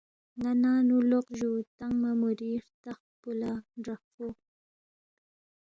نا ننگنو لوق جو تنگمہ موری ہرتخ پو لا ڈافوق